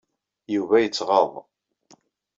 Yuba yettɣaḍ.